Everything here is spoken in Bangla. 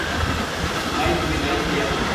বাই ভাবি বাই ভাইয়া।